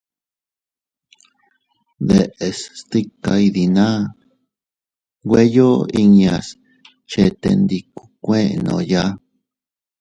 Deʼes stika iydinaa nweyo inñas chetendikuukuennooya.